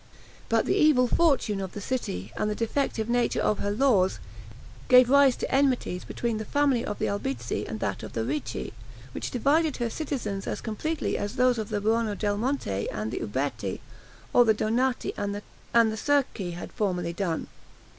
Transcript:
But the evil fortune of the city, and the defective nature of her laws, gave rise to enmities between the family of the Albizzi and that of the Ricci, which divided her citizens as completely as those of the Buondelmonti and the Uberti, or the Donati and the Cerchi had formerly done.